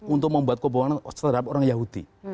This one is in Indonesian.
untuk membuat kebohongan terhadap orang yahudi